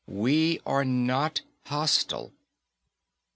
We are not hostile.